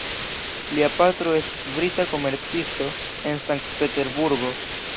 Lia patro estis brita komercisto en Sankt-Peterburgo.